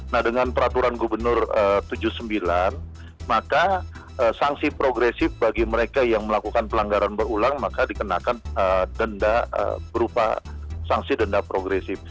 nah dengan peraturan gubernur tujuh puluh sembilan maka sanksi progresif bagi mereka yang melakukan pelanggaran berulang maka dikenakan denda berupa sanksi denda progresif